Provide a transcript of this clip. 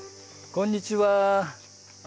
こんにちは。